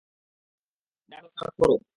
যা করা দরকার করো।